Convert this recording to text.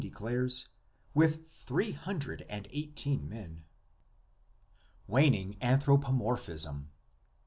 declares — with three hundred and eighteen men. WANING ANTHROPOMORPHISM.